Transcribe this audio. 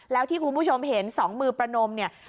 แล้วที่คุณผู้ชมเห็นสองมือประนมเนี่ย